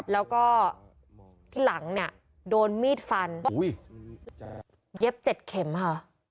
แล้วก็ที่หลังเนี่ยโดนมีดฟันเย็บเจ็ดเข็มค่ะ